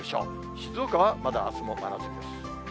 静岡はまだあすも真夏日です。